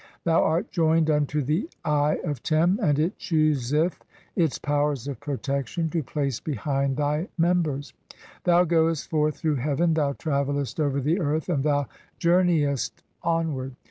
Thou art joined unto the Eye of Tern, "and it chooseth (7) its powers of protection [to place] behind "thy members. Thou goest forth through heaven, thou travellest "over the earth, and thou journeyest onward.